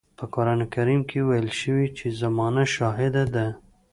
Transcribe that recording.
په قرآن کريم کې ويل شوي چې زمانه شاهده ده.